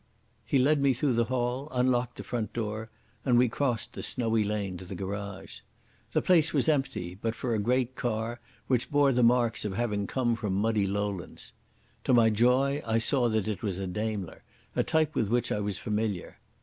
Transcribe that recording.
He led me through the hall, unlocked the front door, and we crossed the snowy lawn to the garage. The place was empty but for a great car, which bore the marks of having come from the muddy lowlands. To my joy I saw that it was a Daimler, a type with which I was familiar.